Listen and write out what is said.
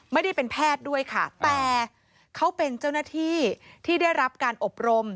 ไม่ได้เป็นแพทย์ด้วยค่ะแต่เขาเป็นเจ้าหน้าที่ที่ได้รับการอบรม